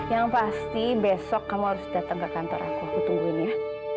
yang pasti besok kamu harus datang ke kantor aku tungguin ya